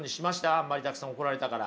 あんまりたくさん怒られたから。